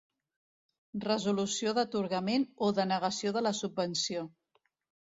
Resolució d'atorgament o denegació de la subvenció.